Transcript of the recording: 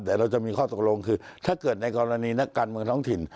แต่เราจะมีข้อตกลงคือถ้าเกิดในกรณีนักการเมืองท้องถิ่น